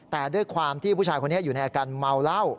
แต่ด้วยความที่ผู้ชายคนนี้อยู่ในอาการเมาเหล้า